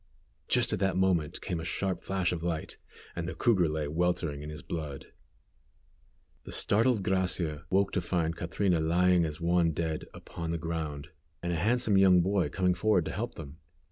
Just at that moment came a sharp flash of light, and the cougar lay weltering in his blood. The startled Gracia woke to find Catrina lying as one dead upon the ground, and a handsome young boy coming forward to help them.